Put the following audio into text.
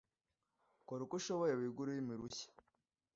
Kora uko ushoboye wige ururimi rushya